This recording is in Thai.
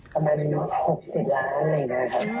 ประมาณ๖๗ล้าน